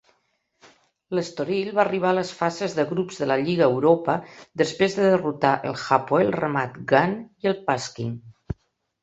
L'Estoril va arribar a les fases de grups de la Lliga Europa després de derrotar el Hapoel Ramat Gan i el Pasching.